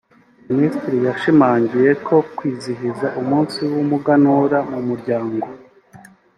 Minisitiri yashimangiye ko kwizihiza umunsi w’umuganura mu muryango